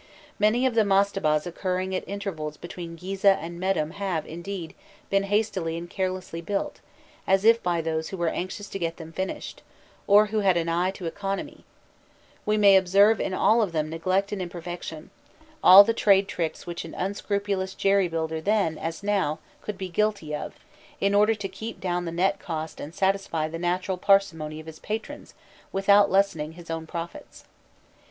Many of the mastabas occurring at intervals between Gîzeh and Mêdûm have, indeed, been hastily and carelessly built, as if by those who were anxious to get them finished, or who had an eye to economy; we may observe in all of them neglect and imperfection, all the trade tricks which an unscrupulous jerry builder then, as now, could be guilty of, in order to keep down the net cost and satisfy the natural parsimony of his patrons without lessening his own profits.